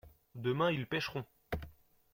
Demain ils pêcheront.